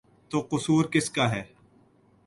تو قصور کس کا ہے؟